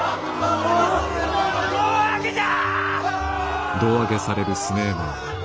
胴上げじゃ！